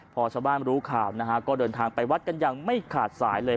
พอชาวบ้านรู้ข่าวนะฮะก็เดินทางไปวัดกันอย่างไม่ขาดสายเลย